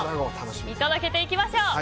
見届けていきましょう。